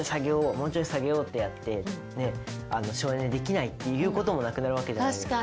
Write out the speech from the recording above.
もうちょい下げようってやって省エネできないっていうこともなくなるわけじゃないですか。